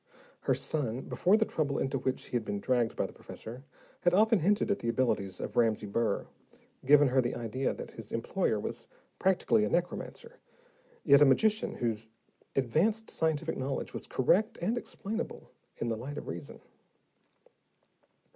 Her son, before the trouble into which he had been dragged by the professor, had often hinted at the abilities of Ramsey Burr, given her the idea that his employer was practically a necromancer, yet a magician whose advanced scientific knowledge was correct and explainable in the light of reason.